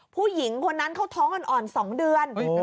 ผู้หญิงคนนั้นเขาท้องอ่อน๒เดือน